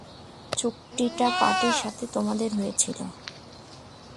চুক্তিটা পার্টির সাথে তোমাদের হয়েছিল।